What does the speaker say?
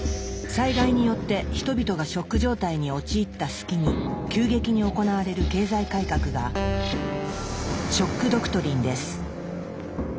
災害によって人々がショック状態に陥った隙に急激に行われる経済改革が「ショック・ドクトリン」です。